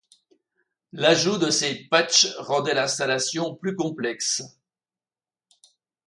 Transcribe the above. L'ajout de ces patchs rendaient l'installation plus complexe.